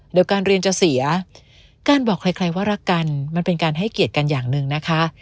เดี๋ยวการเรียนจะเสียการบอกใครว่ารักกันมันเป็นการให้เกียรติกันอย่างหนึ่งนะคะ